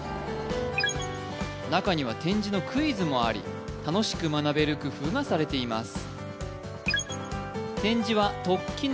中には点字のクイズもあり楽しく学べる工夫がされています